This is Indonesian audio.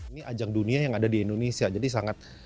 ini ajang dunia yang ada di indonesia jadi sangat